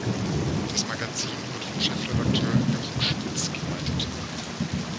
Das Magazin wird von Chefredakteur Jochen Schmitz geleitet.